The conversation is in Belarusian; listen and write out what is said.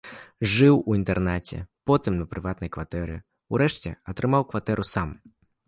Жыў у інтэрнаце, потым на прыватнай кватэры, урэшце атрымаў кватэру сам.